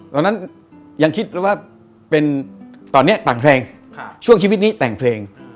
ตอนนั้นยังคิดเลยว่าเป็นตอนนี้แต่งเพลงช่วงชีวิตนี้แต่งเพลง